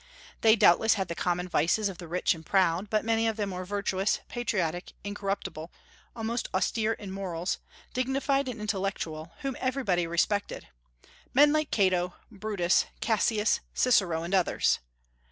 They doubtless had the common vices of the rich and proud; but many of them were virtuous, patriotic, incorruptible, almost austere in morals, dignified and intellectual, whom everybody respected, men like Cato, Brutus, Cassius, Cicero, and others.